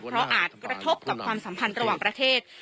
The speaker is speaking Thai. เพราะอาจกระทบกับความสัมพันธ์ระหว่างประเทศ